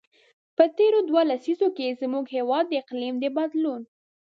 په تېرو دوو لسیزو کې، زموږ هېواد د اقلیم د بدلون.